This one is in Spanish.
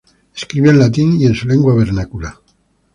Escribió en latín y en su lengua vernácula.